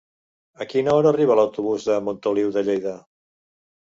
A quina hora arriba l'autobús de Montoliu de Lleida?